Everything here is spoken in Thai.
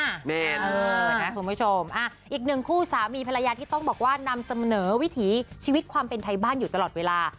แม่นะคุณผู้ชมอีกหนึ่งคู่สามีภรรยาที่ต้องบอกว่านำเสนอวิถีชีวิตความเป็นไทยบ้านอยู่ตลอดเวลา